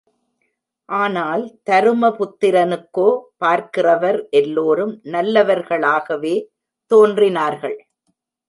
ஆனால் தருமபுத்திரனுக்கோ பார்க்கிறவர் எல்லோரும் நல்லவர்களாகவே தோன்றினார்கள்.